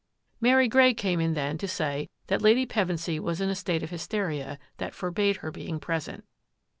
Mary Grey came in then to say that Lady Pevensy was in a state of hysteria that forbade her being present.